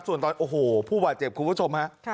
ส่วนตอนโอ้โหผู้บาดเจ็บคุณผู้ชมฮะ